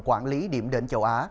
quản lý điểm đến châu á